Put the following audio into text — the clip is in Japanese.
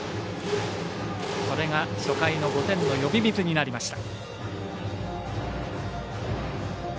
それが初回の５点の呼び水になりました。